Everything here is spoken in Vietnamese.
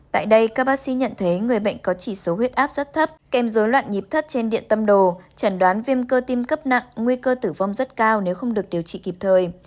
tại đây các bác sĩ nhận thấy người bệnh có chỉ số huyết áp rất thấp kèm dối loạn nhịp thất trên điện tâm đồ chẩn đoán viêm cơ tim cấp nặng nguy cơ tử vong rất cao nếu không được điều trị kịp thời